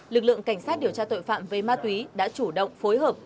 lực lượng cảnh sát điều tra tội phạm về ma túy đã chủ động phối hợp